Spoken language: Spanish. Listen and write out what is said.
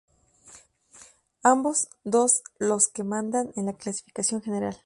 Ambos dos los que mandan en la clasificación general.